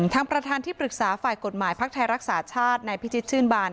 ทางประธานที่ปรึกษาฝ่ายกฎหมายพักไทยรักษาชาตินายพิชิตชื่นบาน